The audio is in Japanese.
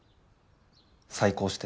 再考して。